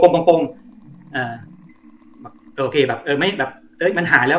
โป่งโป่งโป่งเอ่อแบบเออไม่แบบเอ๊ยมันหายแล้ว